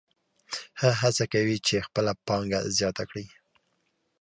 هغه هڅه کوي چې خپله پانګه زیاته کړي